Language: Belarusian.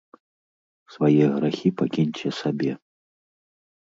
Свае грахі пакіньце сабе.